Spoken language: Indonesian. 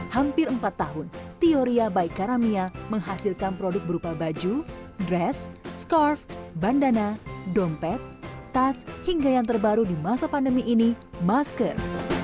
hampir empat tahun teoria baik karamia menghasilkan produk berupa baju dress scarf bandana dompet tas hingga yang terbaru di masa pandemi ini masker